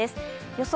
予想